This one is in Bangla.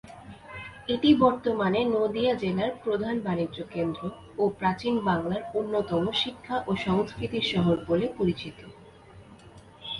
এটি বর্তমানে নদিয়া জেলার প্রধান বাণিজ্যকেন্দ্র ও প্রাচীন বাংলার অন্যতম শিক্ষা ও সংস্কৃতির শহর বলে পরিচিত।